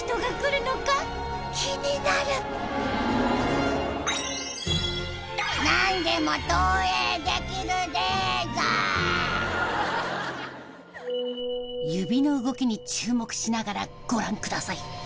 指の動きに注目しながらご覧ください。